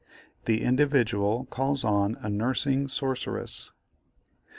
The Individual calls on a Nursing Sorceress.